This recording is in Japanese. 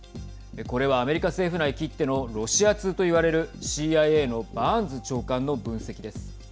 これは、アメリカ政府内きってのロシア通といわれるＣＩＡのバーンズ長官の分析です。